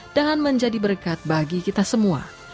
dan menjadi berkat bagi kita semua